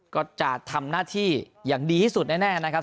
ก็จะทำหน้าที่อย่างดีที่สุดแน่นะครับ